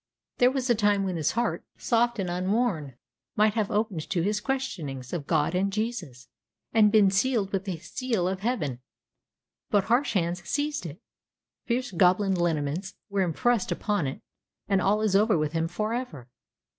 There was a time when his heart, soft and unworn, might have opened to questionings of God and Jesus, and been sealed with the seal of Heaven. But harsh hands seized it; fierce goblin lineaments were impressed upon it; and all is over with him forever!